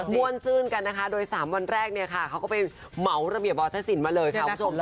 มวลซื่นกันโดยสามวันแรกเขาก็ไปเหมาระเบียบบอสตะสินมาเลยค่ะคุณผู้ชม